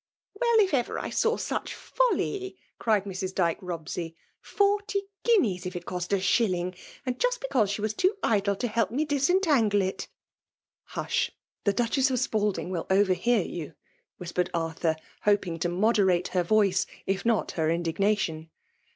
j " Well, if ever I saw such folly !" crioc^ Mrs. Dyke Robsey, " Forty guineas, if it cost, a shilling ; and just because she was too idjlfj J^ help me disentangle it !'.'^ "Hush!— the Duchess of Spalding w^V overhear you !" whispered Arthur, hoping tp moderate her voice, if not her indignation.